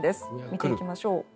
見ていきましょう。